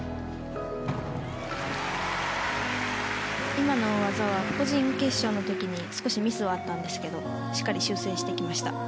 今の技は、個人決勝の時に少しミスはあったんですがしっかり修正してきました。